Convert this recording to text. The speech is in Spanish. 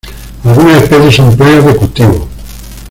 Algunas especies son plagas de cultivos.